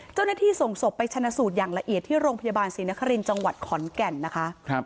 เจ้าหน้าที่ส่งศพไปชนะสูตรอย่างละเอียดที่โรงพยาบาลศรีนครินทร์จังหวัดขอนแก่นนะคะ